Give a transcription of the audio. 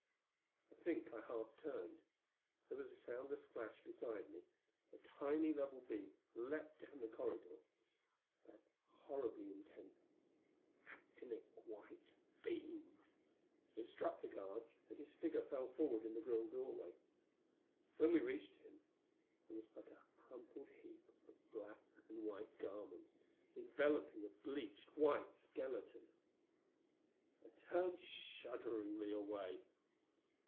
I think I half turned. There was a soundless flash beside me, a tiny level beam leaped down the corridor that horribly intense actinic white beam. It struck the guard, and his figure fell forward in the grille doorway. When we reached him, there was but a crumpled heap of black and white garments enveloping a bleached white skeleton. I turned shudderingly away.